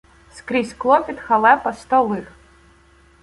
Скрізь клопіт, халепа, сто лих!